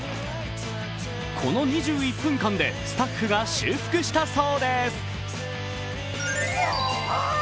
この２１分間でスタッフが修復したそうです。